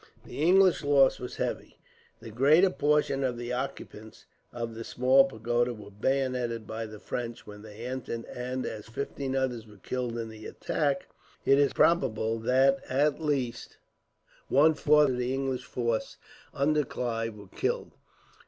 The English loss was heavy. The greater portion of the occupants of the Small Pagoda were bayoneted by the French, when they entered; and, as fifteen others were killed in the attack, it is probable that at least one fourth of the English force under Clive were killed.